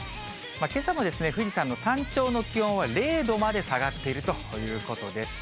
けさの富士山の山頂の気温は０度まで下がっているということです。